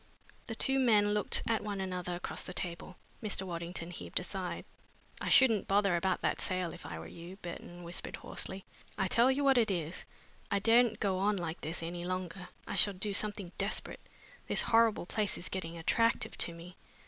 The two men looked at one another across the round table. Mr. Waddington heaved a sigh. "I shouldn't bother about that sale, if I were you," Burton whispered hoarsely. "I tell you what it is, I daren't go on like this any longer. I shall do something desperate. This horrible place is getting attractive to me!